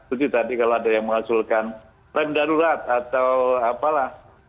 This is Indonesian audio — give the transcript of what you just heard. itu tadi kalau ada yang menghasilkan rem darurat atau apalah